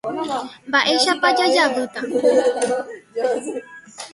Mba'éichapa jajevýta.